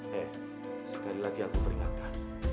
hei sekali lagi aku peringatkan